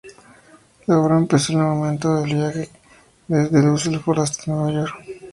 La obra empezó en el momento del viaje desde Düsseldorf a Nueva York.